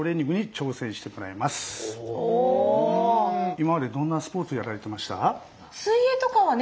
今までどんなスポーツをやられてました？